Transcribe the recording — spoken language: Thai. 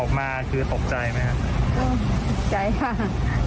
ออกมาคือตกใจไหมครับตกใจค่ะ